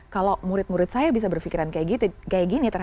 kalau murid murid saya bisa berpikiran kayak gini